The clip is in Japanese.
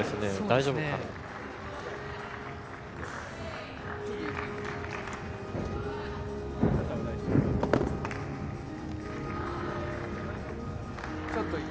大丈夫か。